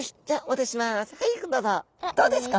どうですか？